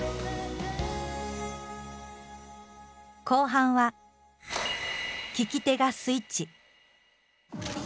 後半は聞き手がスイッチ。